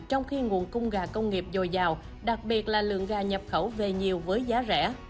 trong khi nguồn cung gà công nghiệp dồi dào đặc biệt là lượng gà nhập khẩu về nhiều với giá rẻ